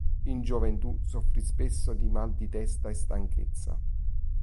In gioventù soffrì spesso di mal di testa e stanchezza.